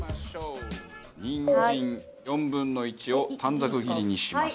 にんじん４分の１を短冊切りにします。